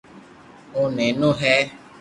او نينو ھي